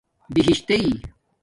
بہش تݵ